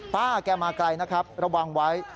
ป้าแกมาไกลนะครับระวังไว้